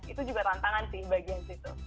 itu juga tantangan sih bagian situ